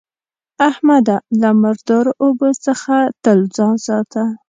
احمده! له مردارو اوبو څخه تل ځان ساته.